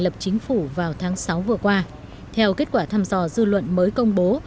lập chính phủ vào tháng sáu vừa qua theo kết quả thăm dò dư luận mới công bố